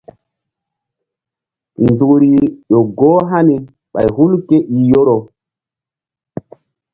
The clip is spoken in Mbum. Nzukr ƴo goh hani ɓay hul ké i Yoro.